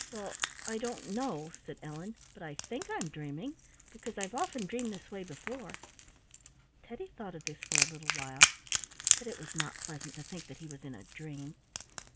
"Well, I don't know," said Ellen, "but I think I'm dreaming, because I've often dreamed this way before." Teddy thought of this for a little while, but it was not pleasant to think that he was in a dream.